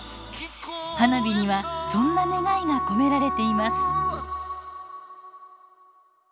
花火にはそんな願いが込められています。